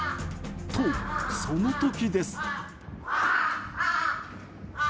と、その時です。